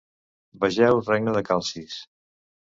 Vegeu Regne de Calcis.